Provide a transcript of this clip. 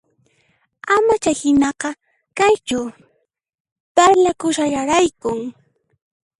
Ama chayhinaqa kaychu, parlakushallaraykun